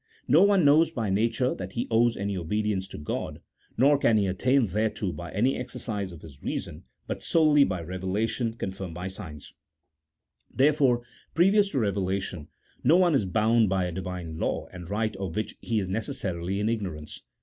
No one knows by nature that he owes any obedience to God, 1 nor can he attain thereto by any exercise of his reason, but solely by revelation confirmed by signs. Therefore, previous to reve lation, no one is bound by a Divine law and right of which he is necessarily in ignorance.